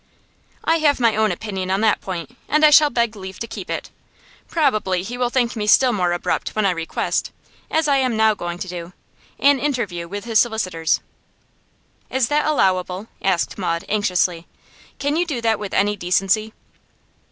'I have my own opinion on that point, and I shall beg leave to keep it. Probably he will think me still more abrupt when I request, as I am now going to do, an interview with his solicitors.' 'Is that allowable?' asked Maud, anxiously. 'Can you do that with any decency?